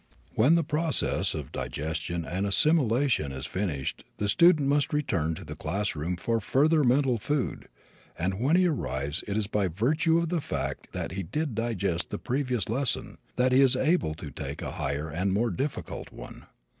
When the process of digestion and assimilation is finished the student must return to the classroom for further mental food and when he arrives it is by virtue of the fact that he did digest the previous lesson that he is able to take a higher and more difficult one.